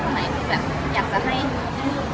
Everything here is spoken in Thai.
คนที่จับตามอง